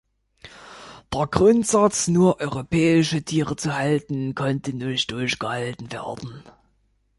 Der Grundsatz, nur europäische Tiere zu halten, konnte nicht durchgehalten werden.